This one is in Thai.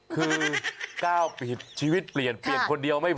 คือก้าวเปลี่ยนชีวิตเปลี่ยนเปลี่ยนคนเดียวไม่พอ